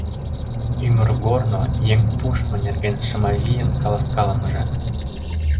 ӰМЫРГОРНО, «ЕҤ ПУШТМО» НЕРГЕН ШЫМАВИЙЫН КАЛАСКАЛЫМЫЖЕ